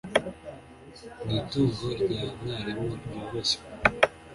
Ni itungo rya mwarimu ryubashywe